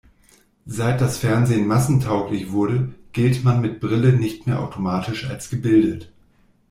Seit das Fernsehen massentauglich wurde, gilt man mit Brille nicht mehr automatisch als gebildet.